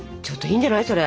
ちょっといいんじゃない？